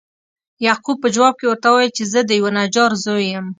یعقوب په جواب کې ورته وویل چې زه د یوه نجار زوی یم.